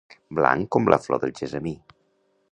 Blanc com la flor del gessamí.